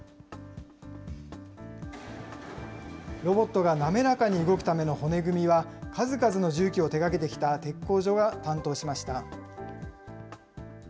ロボットが滑らかに動くための骨組みは、数々の重機を手がけてきた鉄工所が担当しました。